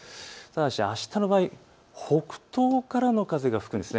ただしあしたの場合北東からの風が吹くんです。